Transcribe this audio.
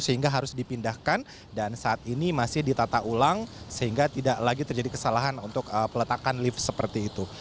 sehingga harus dipindahkan dan saat ini masih ditata ulang sehingga tidak lagi terjadi kesalahan untuk peletakan lift seperti itu